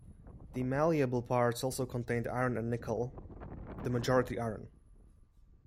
The malleable parts also contained iron and nickel, the majority iron.